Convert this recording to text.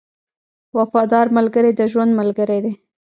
• وفادار ملګری د ژوند ملګری دی.